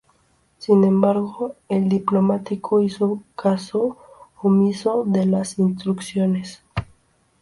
Sin embargo, el diplomático hizo caso omiso de las instrucciones.